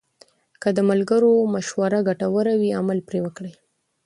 که د ملګرو مشوره ګټوره وي، عمل پرې وکړئ.